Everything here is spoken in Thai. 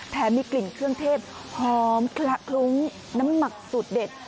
มีกลิ่นเครื่องเทศหอมคละคลุ้งน้ำหมักสูตรเด็ด